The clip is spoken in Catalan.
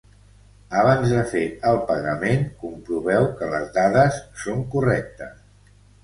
Abans de fer el pagament comproveu que les dades són correctes.